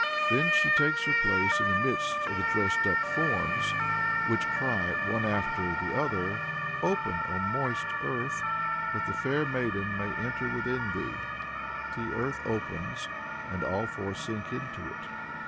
Then she takes her place in the midst of the dressed up forms, which cry, one after the other, "Open, O moist earth, that the fair maiden may enter within thee!" The earth opens, and all four sink into it.